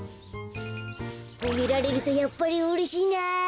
ほめられるとやっぱりうれしいな。